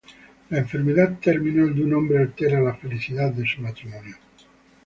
La enfermedad terminal de un hombre altera la felicidad de su matrimonio.